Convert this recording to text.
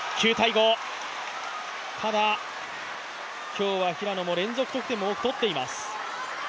ただ、今日は平野も連続得点も多く取っています。